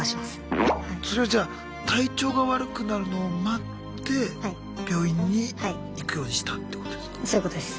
それはじゃあ体調が悪くなるのを待って病院に行くようにしたってことですか？